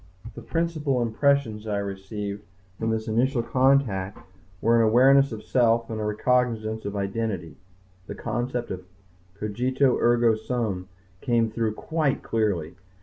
The principal impressions I received from this initial contact were an awareness of self and a recognizance of identity the concept of cogito ergo sum came through quite clearly.